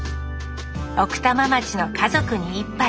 奥多摩町の「家族に一杯」。